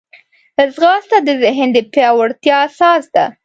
ځغاسته د ذهن د پیاوړتیا اساس ده